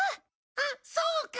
あっそうか！